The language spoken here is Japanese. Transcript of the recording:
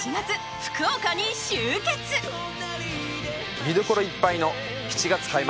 見どころいっぱいの７月開幕